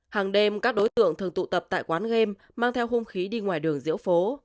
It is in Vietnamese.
hàng đêm các đối tượng thường tụ tập tại quán game mang theo hung khí đi ngoài đường diễu phố